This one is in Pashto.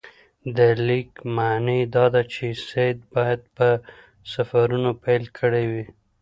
د لیک معنی دا ده چې سید باید په سفرونو پیل کړی وي.